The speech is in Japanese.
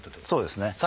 そうですね。